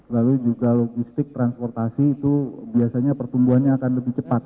lalu juga logistik transportasi itu biasanya pertumbuhannya akan lebih cepat